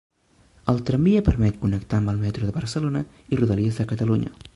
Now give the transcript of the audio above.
El tramvia permet connectar amb el Metro de Barcelona i Rodalies de Catalunya.